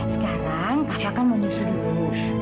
sekarang kava kan mau nyusu dulu